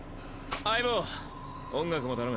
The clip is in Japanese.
相棒音楽も頼む。